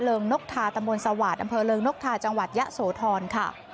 เริงนกทาตำบวนสวาสอำเภอเริงนกทาจังหวัดยะโสธรค่ะ